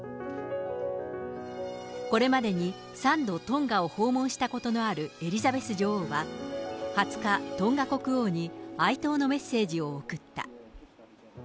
これまでに３度トンガを訪問したことのあるエリザベス女王は、２０日、トンガ国王に哀悼のメッセージを送った。